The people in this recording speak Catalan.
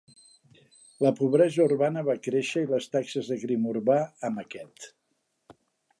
La pobresa urbana va créixer i les taxes de crim urbà amb aquest.